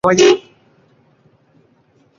পরে এই কারণে হাসপাতালে তাঁর মৃত্যুর হয়েছিল।